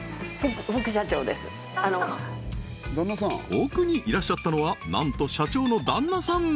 奥にいらっしゃったのはなんと社長の旦那さん